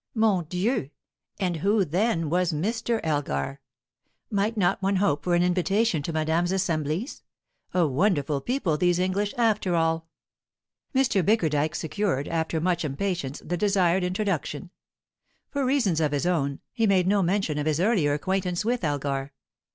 Mon Dieu! And who, then, was Mr. Elgar? Might not one hope for an invitation to madame's assemblies? A wonderful people, these English, after all. Mr. Bickerdike secured, after much impatience, the desired introduction. For reasons of his own, he made no mention of his earlier acquaintance with Elgar.